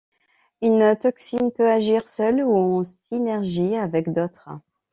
Une toxine peut agir seule ou en synergie avec d'autres.